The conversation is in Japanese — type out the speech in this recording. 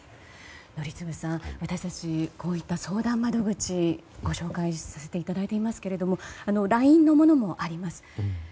宜嗣さん、私たちこういった相談窓口をご紹介させていただいていますけれどもＬＩＮＥのものもあります。